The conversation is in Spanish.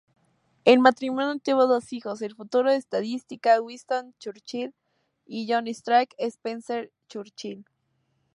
El matrimonio tuvo dos hijos, el futuro estadista Winston Churchill y John Strange Spencer-Churchill.